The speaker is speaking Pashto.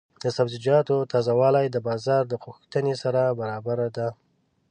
د سبزیجاتو تازه والي د بازار د غوښتنې سره برابره ده.